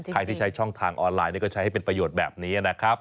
ใครที่ใช้ช่องทางออนไลน์ก็ใช้ให้เป็นประโยชน์แบบนี้นะครับ